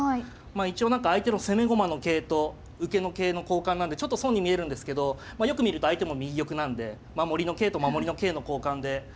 一応何か相手の攻め駒の桂と受けの桂の交換なんでちょっと損に見えるんですけどよく見ると相手も右玉なんで守りの桂と守りの桂の交換で。